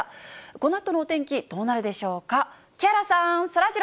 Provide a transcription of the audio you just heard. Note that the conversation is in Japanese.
このあとのお天気どうなるでしょうか。